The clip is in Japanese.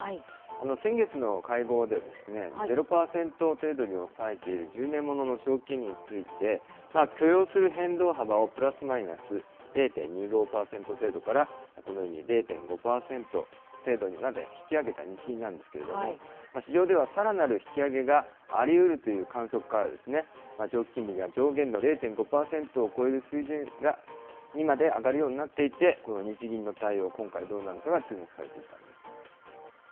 先月の会合では、ゼロ％程度に抑えている１０年ものの長期金利について、許容する変動幅をプラスマイナス０．２５％程度からこのように０．５％程度にまで引き上げた日銀なんですけれども、市場ではさらなる引き上げがありうるという観測から、長期金利が上限の０．５％を超える水準にまで上がるようになっていて、この日銀の対応、今回どうなるかが注目されていたんです。